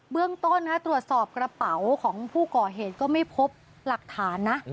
เรื่องต้นตรวจสอบกระเป๋าของผู้ก่อเหตุก็ไม่พบหลักฐานนะ